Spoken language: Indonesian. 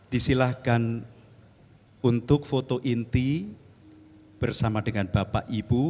disilahkan untuk foto inti bersama dengan bapak ibu